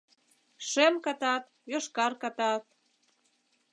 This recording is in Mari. Шем катат, йошкар катат